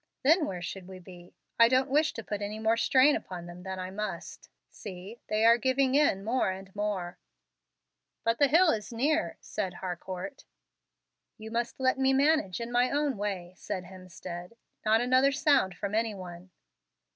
Then where should we be? I don't wish to put any more strain upon them than I must. See, they are giving in more and more." "But the hill is near," said Harcourt. "You must let me manage in my own way," said Hemstead. "Not another sound from any one."